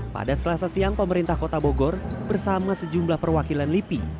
pada selasa siang pemerintah kota bogor bersama sejumlah perwakilan lipi